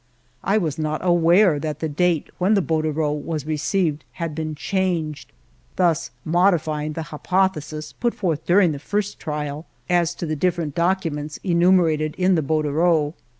I was not aware that the date when the bordereau was re ceived had been changed, thus modifying the hypothesis put forth during the first trial as to ALFRED DREYFUS 283 the different documents enumerated in the bor dereau.